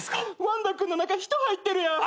ワンダ君の中人入ってるやん。